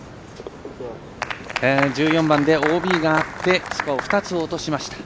１４番でＯＢがあってスコアを２つ落としました。